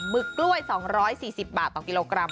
ึกกล้วย๒๔๐บาทต่อกิโลกรัม